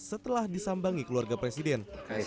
setelah disambangi keluarga presiden